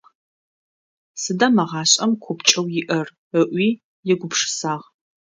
Сыда мы гъашӀэм купкӀэу иӀэр?- ыӀуи егупшысагъ.